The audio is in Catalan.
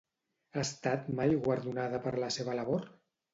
Ha estat mai guardonada per la seva labor?